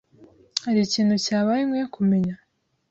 Hari ikintu cyabaye nkwiye kumenya?